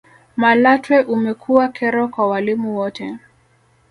malatwe umekuwa kero kwa walimu wote